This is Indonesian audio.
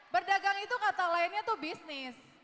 berdagang itu kata lainnya itu bisnis